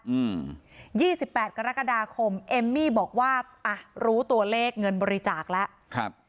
อืมยี่สิบแปดกรกฎาคมเอมมี่บอกว่าอ่ะรู้ตัวเลขเงินบริจาคแล้วครับ